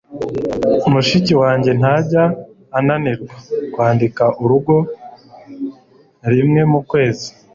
Mushiki wanjye ntajya ananirwa kwandika urugo rimwe mu kwezi.